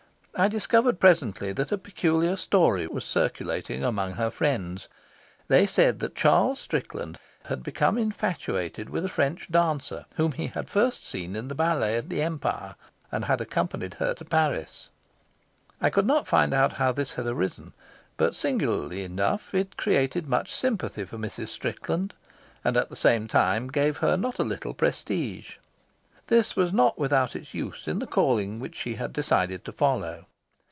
I discovered presently that a peculiar story was circulating among her friends. They said that Charles Strickland had become infatuated with a French dancer, whom he had first seen in the ballet at the Empire, and had accompanied her to Paris. I could not find out how this had arisen, but, singularly enough, it created much sympathy for Mrs. Strickland, and at the same time gave her not a little prestige. This was not without its use in the calling which she had decided to follow.